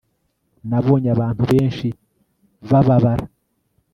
nabonye abantu benshi bababara